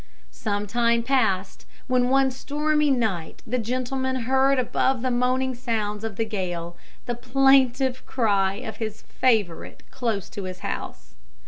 Some time passed, when one stormy night the gentleman heard above the moaning sounds of the gale the plaintive cry of his favourite close to his house.